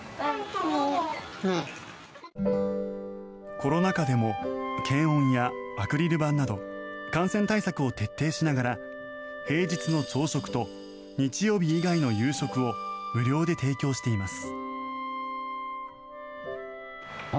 コロナ禍でも検温やアクリル板など感染対策を徹底しながら平日の朝食と日曜日以外の夕食を無料で提供しています。